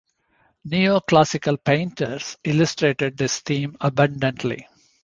Neoclassical painters illustrated this theme abundantly.